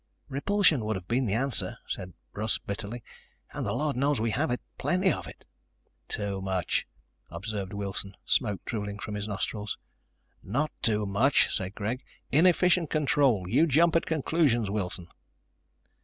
"Repulsion would have been the answer," said Russ bitterly. "And the Lord knows we have it. Plenty of it." "Too much," observed Wilson, smoke drooling from his nostrils. "Not too much," corrected Greg. "Inefficient control. You jump at conclusions, Wilson."